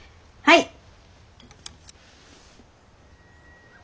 はい！